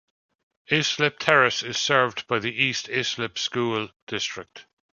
Islip Terrace is served by the East Islip School District.